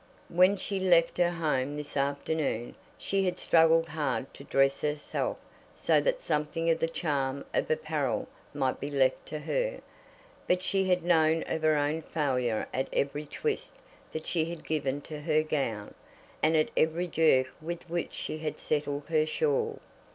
When she had left her home this afternoon, she had struggled hard to dress herself so that something of the charm of apparel might be left to her; but she had known of her own failure at every twist that she had given to her gown, and at every jerk with which she had settled her shawl.